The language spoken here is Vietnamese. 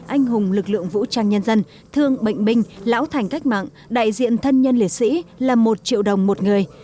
anh hùng lực lượng vũ trang nhân dân thương bệnh binh lão thành cách mạng đại diện thân nhân liệt sĩ là một triệu đồng một người